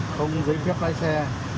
không đăng ký xe